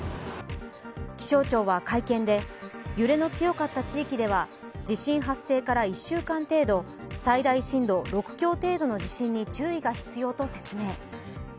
気象庁は会見で、揺れの強かった地域では地震発生から１週間程度最大震度６強程度の地震に注意が必要と説明。